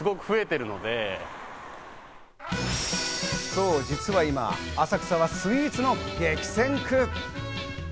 そう、実は今、浅草はスイーツの激戦区。